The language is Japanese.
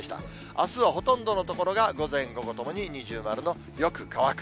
あすはほとんどの所が午前、午後ともに二重丸のよく乾く。